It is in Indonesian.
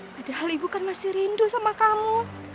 padahal ibu kan masih rindu sama kamu